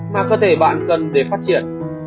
mà cơ thể bạn cần để phát triển